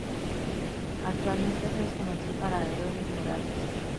Actualmente se desconoce el paradero de los murales.